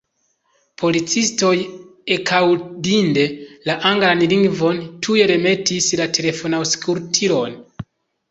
Policistoj, ekaŭdinte la anglan lingvon, tuj remetis la telefonaŭskultilon.